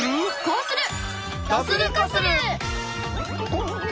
こうする！